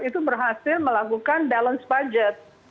itu berhasil melakukan balance budget